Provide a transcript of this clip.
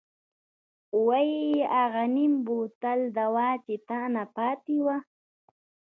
وۍ اغه نيم بوتل دوا چې تانه پاتې وه.